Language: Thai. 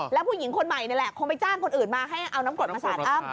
แล้วผู้หญิงคนใหม่นี่แหละคงไปจ้างคนอื่นมาให้เอาน้ำกรดมาสาดอ้ำ